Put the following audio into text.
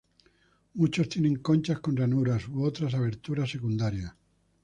Muchos tienen conchas con ranuras u otras aberturas secundarias.